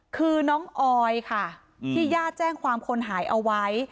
คือน้องออยค่ะที่ญาติแจ้งความคนหายเอาไว้